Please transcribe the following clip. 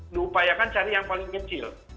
diupayakan cari yang paling kecil